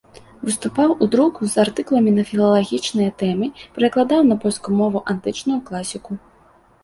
Выступаў у друку з артыкуламі на філалагічныя тэмы, перакладаў на польскую мову антычную класіку.